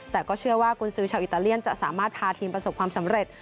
แต่ก็เชื่อว่ากุญสือชาวอิตาเลียนจะสามารถพาทีมประสบความสำเร็จ